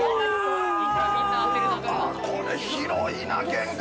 これ広いな、玄関！